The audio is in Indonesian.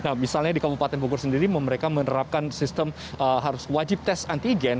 nah misalnya di kabupaten bogor sendiri mereka menerapkan sistem harus wajib tes antigen